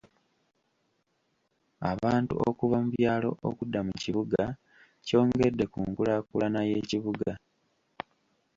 Abantu okuva mu byalo okudda mu kibuga kyongedde ku nkulaakulana y'ekibuga.